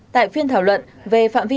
tại phiên thảo luận về phạm vi